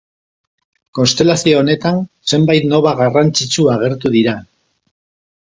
Konstelazio honetan, zenbait noba garrantzitsu agertu dira.